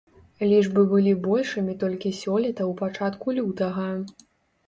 Лічбы былі большымі толькі сёлета ў пачатку лютага.